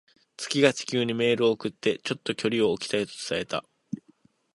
月が地球にメールを送って、「ちょっと距離を置きたい」と伝えた。